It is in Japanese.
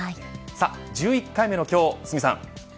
１１回目の今日、堤さん。